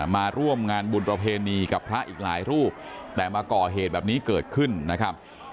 มาร่วมงานบุญประเพณีกับพระอีกหลายรูปแต่มาก่อเหตุแบบนี้เกิดขึ้นนะครับ